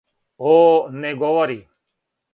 О, не говори.